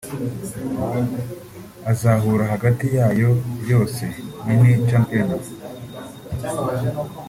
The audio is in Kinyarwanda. azahura hagati yayo yose (Mini- Championnat)